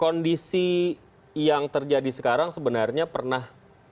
kondisi yang terjadi sekarang sebenarnya pernah